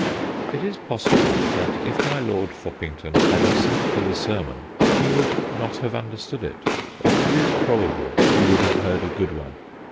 It is possible that if my Lord Foppington had listened to the sermon he would not have understood it, but it is probable he would have heard a good one.